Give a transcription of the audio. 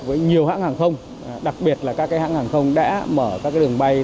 với nhiều hãng hàng không đặc biệt là các hãng hàng không đã mở các đường bay